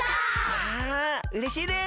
わうれしいです！